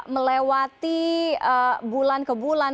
melewati bulan kebulan